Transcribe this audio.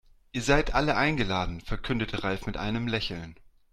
"Ihr seid alle eingeladen", verkündete Ralf mit einem Lächeln.